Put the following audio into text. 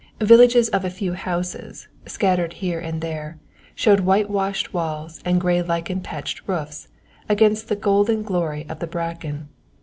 Villages of a few houses, scattered here and there, showed white washed walls and grey lichen patched roofs against the golden glory of the bracken.